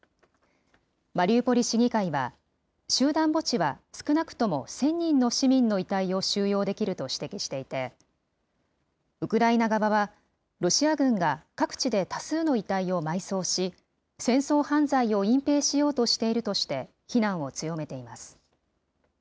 マリウポリ市議会は、集団墓地は少なくとも１０００人の市民の遺体を収容できると指摘していて、ウクライナ側は、ロシア軍が各地で多数の遺体を埋葬し、戦争犯罪を隠蔽しようとしているとして、非難を強めています。